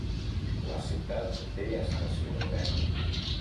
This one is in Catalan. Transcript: La ciutat té estació de tren.